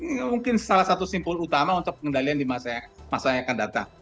itu mungkin salah satu simpul utama untuk pengendalian di masa yang akan datang